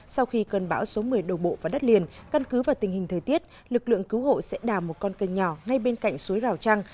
sau khi cơn bão số một mươi đầu bộ vào đất liền căn cứ vào tình hình thời tiết lực lượng cứu hộ sẽ đào một con cơn nhỏ ngay bên cạnh suối rào trăng